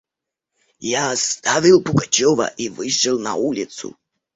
Я оставил Пугачева и вышел на улицу.